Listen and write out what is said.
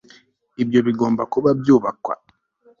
ibyo bigomba kuba byubakwa